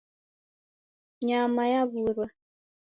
Nyama yawurwa